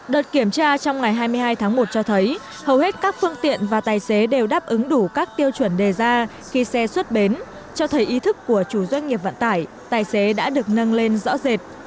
đợt kiểm tra trong ngày hai mươi hai tháng một cho thấy hầu hết các phương tiện và tài xế đều đáp ứng đủ các tiêu chuẩn đề ra khi xe xuất bến cho thấy ý thức của chủ doanh nghiệp vận tải tài xế đã được nâng lên rõ rệt